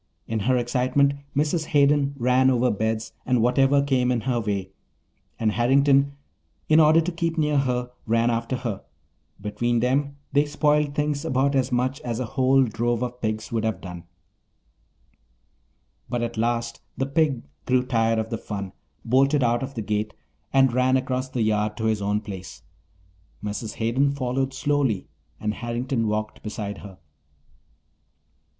In her excitement Mrs. Hayden ran over beds and whatever came in her way, and Harrington, in order to keep near her, ran after her. Between them they spoiled things about as much as a whole drove of pigs would have done. But at last the pig grew tired of the fun, bolted out of the gate, and ran across the yard to his own place. Mrs. Hayden followed slowly and Harrington walked beside her.